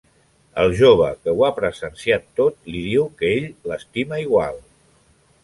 El jove, que ho ha presenciat tot li diu que ell l'estima igual.